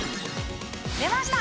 出ました！